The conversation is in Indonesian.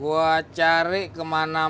gua cari kemana mana